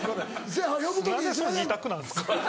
何でその２択なんですか？